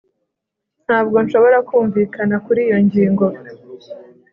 Ntabwo nshobora kumvikana kuri iyo ngingo